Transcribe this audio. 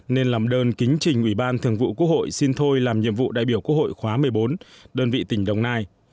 nên làm đơn kính trình ủy ban thường vụ quốc hội xin thôi làm nhiệm vụ đại biểu quốc hội khóa một mươi bốn đơn vị tỉnh đồng nai